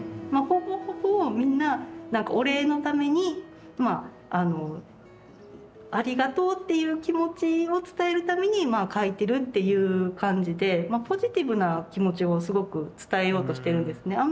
ほぼほぼみんな何かお礼のためにありがとうっていう気持ちを伝えるために描いてるっていう感じでポジティブな気持ちをすごく伝えようとしてるんですね。